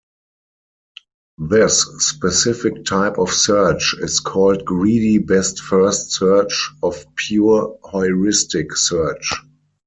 This specific type of search is called greedy best-first search or pure heuristic search.